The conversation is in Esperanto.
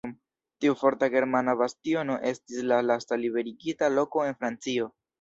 Tiu forta germana bastiono estis la lasta liberigita loko en Francio.